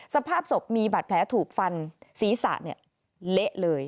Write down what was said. สภาพศพมีบาดแผลถูกฟันศีรษะเละเลย